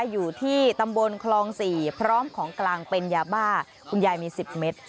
อยู่ที่ตำบลคลอง๔พร้อมของกลางเป็นยาบ้าคุณยายมี๑๐เมตร